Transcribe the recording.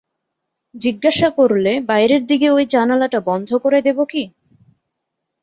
জিজ্ঞাসা করলে, বাইরের দিকে ঐ জানালাটা বন্ধ করে দেব কি?